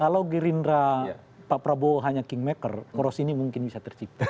kalau gerindra pak prabowo hanya kingmaker poros ini mungkin bisa tercipta